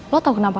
lo tau kenapa